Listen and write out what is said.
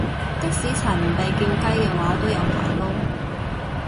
的士陳唔被叫雞嘅話都有排撈